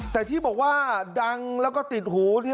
แต่ที่บอกว่าดังแล้วก็ติดหู